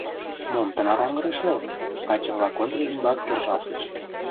— Мом тынар оҥырешлет? — каче-влак Ондре ӱмбак кержалтыч.